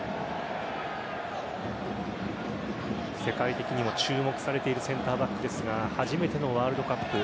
世界的にも注目されているセンターバックですが初めてのワールドカップ